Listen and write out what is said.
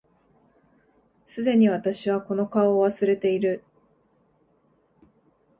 既に私はこの顔を忘れている